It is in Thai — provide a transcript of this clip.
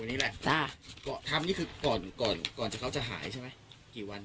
นี่แหละจ้ะก่อนทำนี่คือก่อนก่อนที่เขาจะหายใช่ไหมกี่วัน